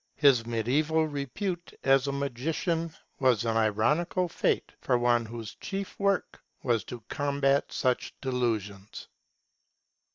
His mediaeval repute as a magician was an ironical fate for one whose chief work was to combat such delusions.